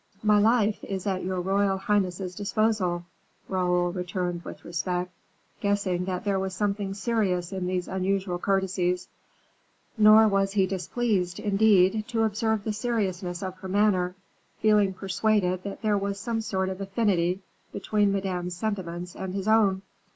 "My life is at your royal highness's disposal," Raoul returned with respect, guessing that there was something serious in these unusual courtesies; nor was he displeased, indeed, to observe the seriousness of her manner, feeling persuaded that there was some sort of affinity between Madame's sentiments and his own.